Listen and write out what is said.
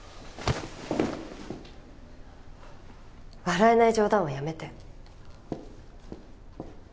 笑えない冗談はやめて。